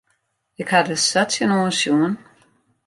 Ik ha der sa tsjinoan sjoen.